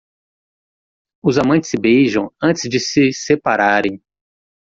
Os amantes se beijam antes de se separarem.